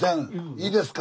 いいですか？